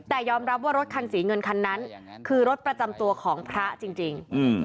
แต่ยอมรับว่ารถคันสีเงินคันนั้นคือรถประจำตัวของพระจริง